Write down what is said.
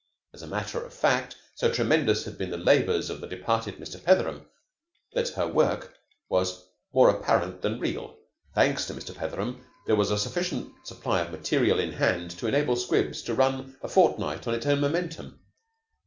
As a matter of fact, so tremendous had been the labors of the departed Mr. Petheram, that her work was more apparent than real. Thanks to Mr. Petheram, there was a sufficient supply of material in hand to enable 'Squibs' to run a fortnight on its own momentum.